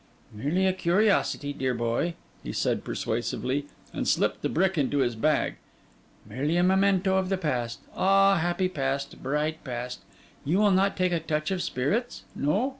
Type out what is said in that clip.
'Merely a curiosity, dear boy,' he said persuasively, and slipped the brick into his bag; 'merely a memento of the past—ah, happy past, bright past! You will not take a touch of spirits? no?